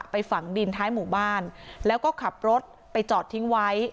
ฝังดินท้ายหมู่บ้านแล้วก็ขับรถไปจอดทิ้งไว้